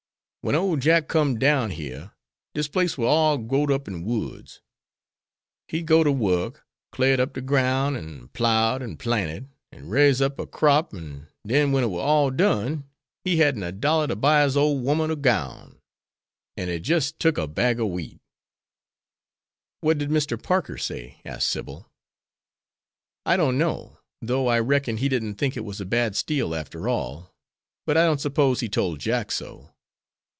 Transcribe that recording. Wen ole Jack com'd down yere, dis place war all growed up in woods. He go ter work, clared up de groun' an' plowed, an' planted, an' riz a crap, an' den wen it war all done, he hadn't a dollar to buy his ole woman a gown; an' he jis' took a bag ob wheat.'" "What did Mr. Parker say?" asked Sybil. "I don't know, though I reckon he didn't think it was a bad steal after all, but I don't suppose he told Jack so.